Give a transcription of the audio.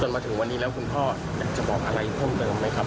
มาถึงวันนี้แล้วคุณพ่ออยากจะบอกอะไรเพิ่มเติมไหมครับ